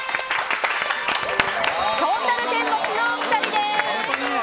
トータルテンボスのお二人です。